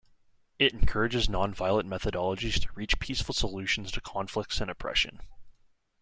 It encourages nonviolent methodologies to reach peaceful solutions to conflicts and oppression.